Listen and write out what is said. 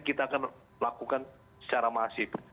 kita akan lakukan secara masif